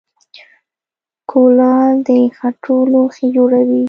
کولال د خټو لوښي جوړوي